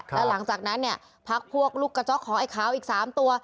แล้วหลังจากนั้นเนี่ยพักพวกลูกกระจ๊อกของไอ้ขาวอีก๓ตัว